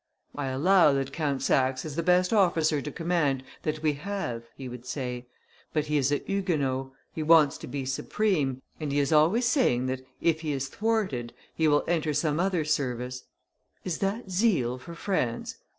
"I allow that Count Saxe is the best officer to command that we have," he would say; "but he is a Huguenot, he wants to be supreme, and he is always saying that, if he is thwarted, he will enter some other service. Is that zeal for France?